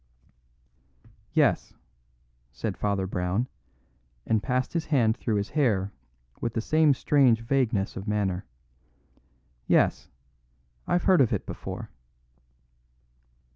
"Yes," said Father Brown, and passed his hand through his hair with the same strange vagueness of manner. "Yes, I've heard of it before."